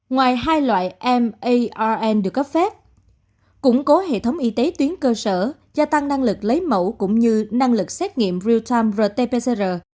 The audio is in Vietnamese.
ngoài hai loại marn được cấp phép củng cố hệ thống y tế tuyến cơ sở gia tăng năng lực lấy mẫu cũng như năng lực xét nghiệm real time rt pcr